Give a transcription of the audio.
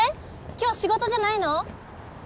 今日仕事じゃないの？